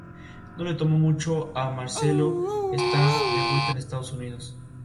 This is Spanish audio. Pero Demofonte continuó su camino sin haber prometido que regresaría.